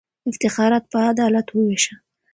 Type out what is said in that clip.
افتخارات په عدالت ووېشه.